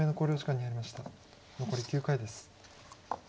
残り９回です。